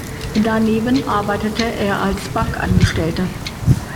Daneben arbeitete er als Bankangestellter.